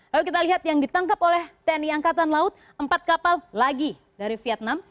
lalu kita lihat yang ditangkap oleh tni angkatan laut empat kapal lagi dari vietnam